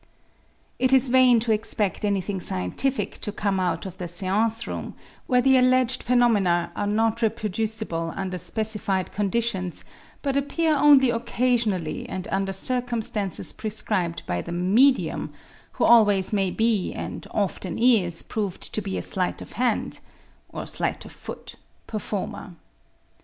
It is vain to expect anything scientific to come out of the seance room where the alleged phenomena are not reproducible under specified conditions but appear only occasionally and under circumstances prescribed by the medium who always may be and often is proved to be a sleight of hand — or sleight of foot — performer.